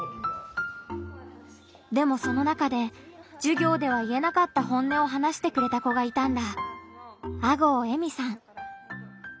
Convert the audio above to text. でもその中で授業では言えなかった本音を話してくれた子がいたんだ。